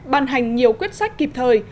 bàn hành nhiều quyết sách kịp thời